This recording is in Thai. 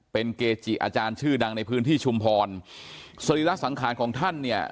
เป็นเกจิอาจารย์ชื่อดังในพื้นที่ชุมพรสรีระสังขารของท่านเนี่ย